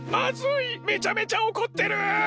めちゃめちゃおこってる。